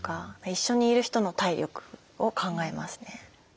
一緒にいる人の体力を考えますね。